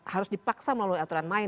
harus dipaksa melalui aturan main